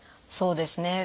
そうですね。